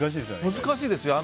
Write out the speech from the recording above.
難しいですよ。